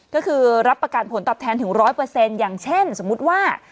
ก็คือรับประกันผลตอบแทนถึง๑๐๐อย่างเช่นสมมุติว่า